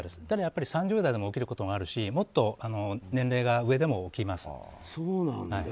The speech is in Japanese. ただ、３０代でも起きることがあるしもっと年齢が上でも起きます。